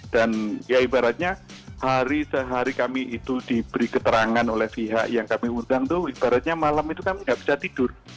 dan ya ibaratnya hari sehari kami itu diberi keterangan oleh pihak yang kami undang tuh ibaratnya malam itu kami nggak bisa tidur